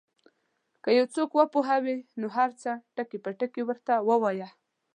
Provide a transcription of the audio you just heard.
که یو څوک وپوهوې نو هر څه ټکي په ټکي ورته ووایه.